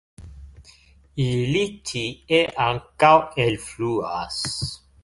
Ili tie ankaŭ elfluas.